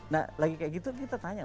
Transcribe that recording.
nah lagi kayak gitu kita tanya